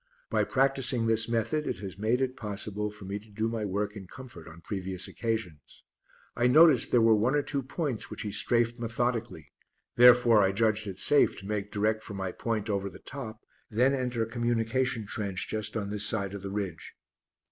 By practising this method it has made it possible for me to do my work in comfort on previous occasions. I noticed there were one or two points which he "strafed" methodically, therefore I judged it safe to make direct for my point over the top, then enter a communication trench just on this side of the ridge.